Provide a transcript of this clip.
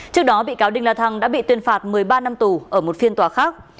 trước đó bị cáo đinh la thăng đã bị tuyên phạt một mươi ba năm tù ở một phiên tòa khác